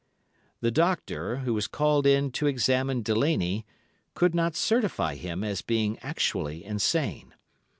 "The doctor, who was called in to examine Delaney, could not certify him as being actually insane.